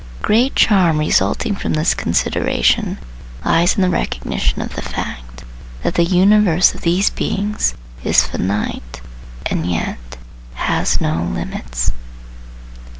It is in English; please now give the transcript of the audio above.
The great charm resulting from this consideration lies in the recognition of the fact that the universe of these beings is finite and yet has no limits.